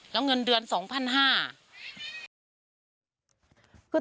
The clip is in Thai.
แล้วเงินเดือน๒๐๐๕